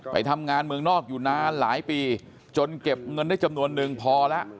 ไปทำงานเมืองนอกอยู่นานหลายปีจนเก็บเงินได้จำนวนนึงพอแล้ว